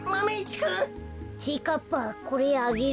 かっぱこれあげる。